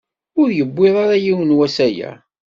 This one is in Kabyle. Ur yewwiḍ ara yiwen wass aya.